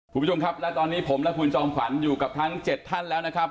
คุณผู้ชมครับและตอนนี้ผมและคุณจอมขวัญอยู่กับทั้ง๗ท่านแล้วนะครับ